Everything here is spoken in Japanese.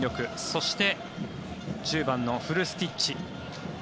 そして１０番のフルスティッチ。